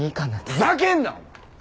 ふざけんな！